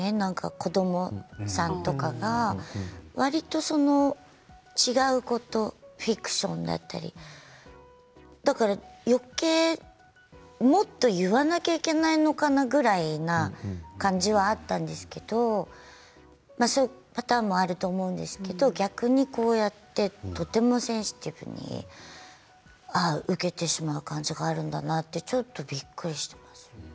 子どもさんとかがわりと違うことフィクションだったりだから、よけいもっと言わなきゃいけないのかなぐらいの感じはあったんですけどそういうパターンもあると思うんですが逆に、こうやってとてもセンシティブに受けてしまう感情をもあるんだなとちょっとびっくりしています。